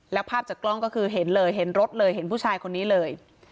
แล้วภาพจากกล้องก็คือเห็นเลยเห็นรถเลยเห็นผู้ชายคนนี้เลย